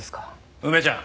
梅ちゃん。